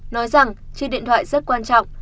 nói rằng chiếc điện thoại rất quan trọng